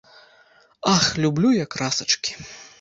Ах, люблю я красачкі!